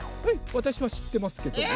わたしはしってますけども。